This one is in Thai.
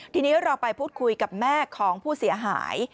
ทีนี้เราไปพูดคุยกับแม่ของผู้เสียหาย